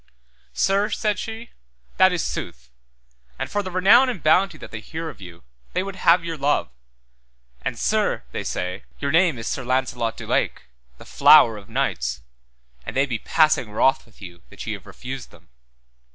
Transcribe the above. Sir, said she, that is sooth, and for the renown and bounty that they hear of you they would have your love, and Sir, they say, your name is Sir Launcelot du Lake, the flower of knights, and they be passing wroth with you that ye have refused them.